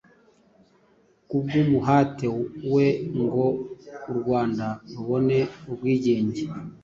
kubw’umuhate we ngo u Rwanda rubone ubwigenge